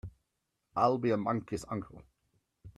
I'll be a monkey's uncle!